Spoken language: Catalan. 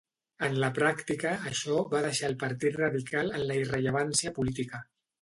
En la pràctica, això va deixar al Partit Radical en la irrellevància política.